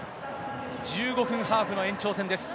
１５分ハーフの延長戦です。